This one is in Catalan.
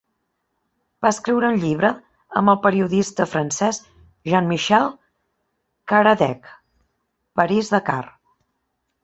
Va escriure un llibre amb el periodista francès Jean-Michel Caradec'h, Paris Dakar.